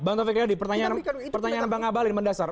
bang taufik yadi pertanyaan bang abalin mendasar